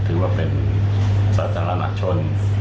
ถือว่าเป็นศาสนรรรดิหลักชน